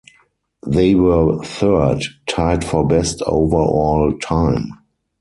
They were third, tied for best overall time.